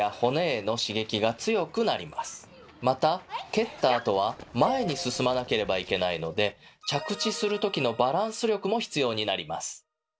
また蹴ったあとは前に進まなければいけないので着地する時のバランス力も必要になります。